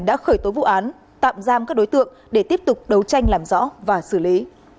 đã khởi tố vụ án tạm giam các đối tượng để tiếp tục đấu tranh làm rõ và xử lý